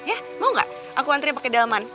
ya mau gak aku antri pake dalman